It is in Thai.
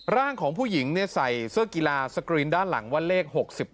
ร่างของผู้หญิงใส่เสื้อกีฬาสกรีนด้านหลังว่าเลข๖๘